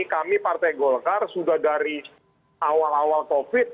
kami partai golkar sudah dari awal awal covid